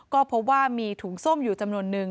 ก็พบว่ามีถุงส้มอยู่จำนวนนึง